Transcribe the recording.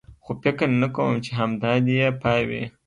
خو فکر نه کوم، چې همدا دی یې پای وي.